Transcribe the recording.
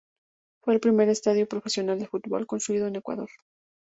Fue el primer estadio profesional de fútbol construido en Ecuador.